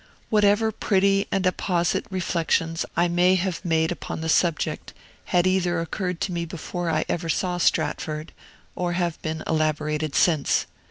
Whatever pretty and apposite reflections I may have made upon the subject had either occurred to me before I ever saw Stratford, or have been elaborated since.